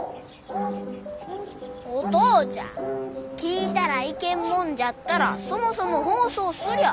お父ちゃん聴いたらいけんもんじゃったらそもそも放送すりゃあ